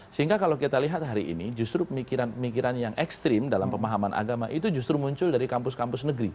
sehingga kalau kita lihat hari ini justru pemikiran pemikiran yang ekstrim dalam pemahaman agama itu justru muncul dari kampus kampus negeri